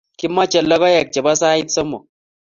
Kimache lokoek che po sait somok